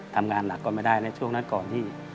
ทำงานหนักก็ไม่ได้ในช่วงนั้นก่อนที่